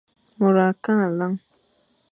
Mor a kandé nlan.